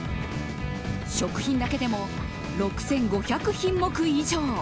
食品だけでも６５００品目以上。